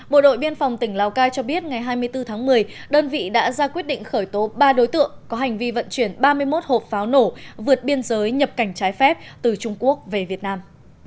bộ đội biên phòng tỉnh lào cai cho biết ngày hai mươi bốn tháng một mươi đơn vị đã ra quyết định khởi tố ba đối tượng có hành vi vận chuyển ba mươi một hộp pháo nổ vượt biên giới nhập cảnh trái phép từ trung quốc về việt nam